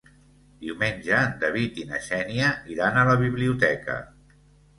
Diumenge en David i na Xènia iran a la biblioteca.